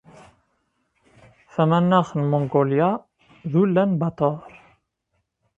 Tamaneɣt n Mungulya d Ulan Bator.